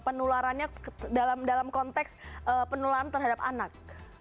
penularannya dalam konteks penularan terhadap anak